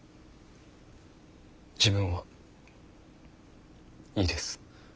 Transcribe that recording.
自分はいいです。